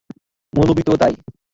মৌলভী তো তাই।